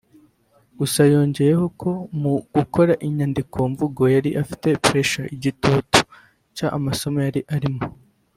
Gusa yongeyeho ko mu gukora inyandiko mvugo yari afite ‘Pressure’ (igitutu) cy’amasomo yari arimo